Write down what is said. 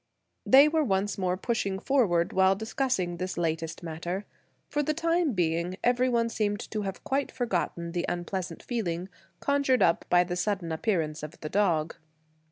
They were once more pushing forward while discussing this latest matter. For the time being every one seemed to have quite forgotten the unpleasant feeling conjured up by the sudden appearance of the dog.